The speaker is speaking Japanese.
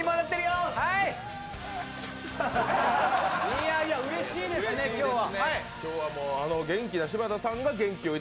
いやいや、うれしいですね、今日は。